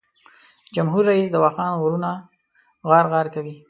جمهور رییس د واخان غرونه غار غار کوي.